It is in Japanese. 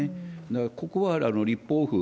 だから、ここは立法府、